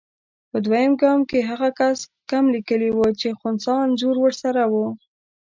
په دویم ګام کې هغه کس کم لیکلي وو چې خنثی انځور ورسره وو.